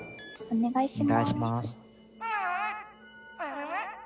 お願いします。